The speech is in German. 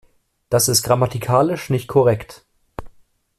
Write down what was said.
Das ist grammatikalisch nicht korrekt.